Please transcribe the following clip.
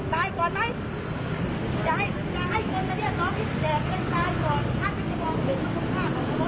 ตายก่อนไหมจะให้จะให้คนมาเรียนร้องที่แก